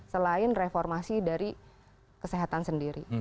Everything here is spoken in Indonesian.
selain reformasi dari kesehatan sendiri